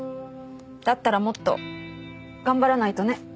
だったらもっと頑張らないとね。